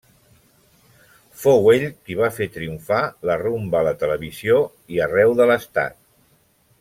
Fou ell qui va fer triomfar la rumba a la televisió i arreu de l'estat.